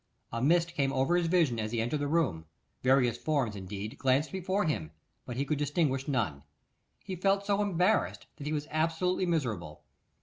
A mist came over his vision as he entered the room; various forms, indeed, glanced before him, but he could distinguish none. He felt so embarrassed, that he was absolutely miserable.